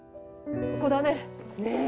ここだね。